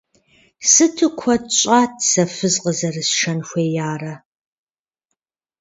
Сыту куэд щӀат сэ фыз къызэрысшэн хуеярэ!